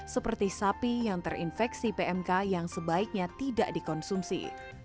seperti sapi yang terinfeksi pmk yang sebaiknya tidak dikonsumsi